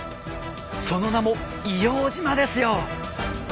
その名も硫黄島ですよ。